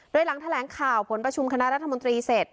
โดยหลังแถลงข่าวผลประชุมคณะรัฐมนตรีเสร็จ